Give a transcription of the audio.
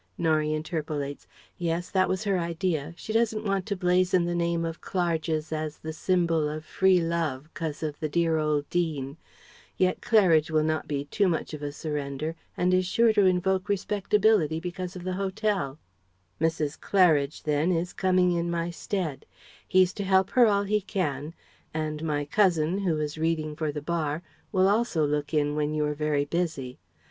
(Norie interpolates: "Yes, that was her idea: she doesn't want to blazon the name of Clarges as the symbol of Free Love, 'cos of the dear old Dean; yet Claridge will not be too much of a surrender and is sure to invoke respectability, because of the Hotel") "Mrs. Claridge, then, is coming in my stead He's to help her all he can and my cousin, who is reading for the Bar, will also look in when you are very busy.